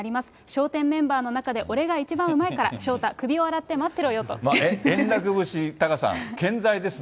笑点メンバーの中で俺が一番うまいから、昇太、首を洗って待って円楽節、タカさん、健在です